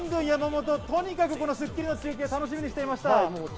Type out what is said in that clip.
山本、とにかくこの『スッキリ』の中継を楽しみにしていました。